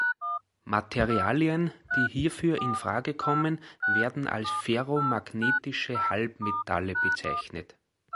Materialien die hierfür in Frage kommen werden als "ferromagnetische Halbmetalle" bezeichnet.